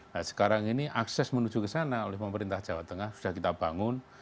nah sekarang ini akses menuju ke sana oleh pemerintah jawa tengah sudah kita bangun